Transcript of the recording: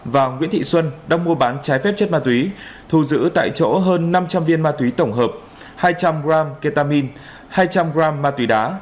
và nguyễn thị xuân đang mua bán trái phép chất ma túy thu giữ tại chỗ hơn năm trăm linh viên ma túy tổng hợp hai trăm linh g ketamine hai trăm linh g ma túy đá